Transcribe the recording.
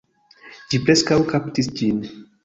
Ĝi preskaŭ kaptis ĝin